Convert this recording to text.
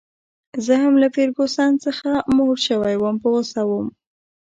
زه هم له فرګوسن څخه موړ شوی وم، په غوسه وم.